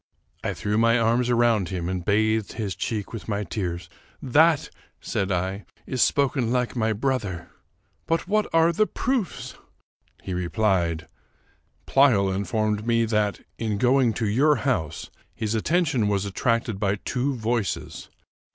I threw my arms around him and bathed his cheek with my tears. " That," said I, " is spoken like my brother. But what are the proofs?" He replied, " Pleyel informed me that, in going to your house, his attention was attracted by two voices.